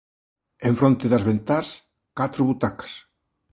en fronte das ventás, catro butacas